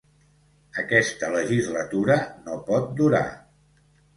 Aquesta legislatura no pot durar.